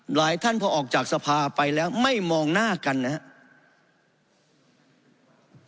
หลายท่านพอออกจากสภาไปแล้วไม่มองหน้ากันนะครับ